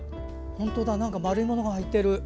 本当だなんか丸いものが入ってる。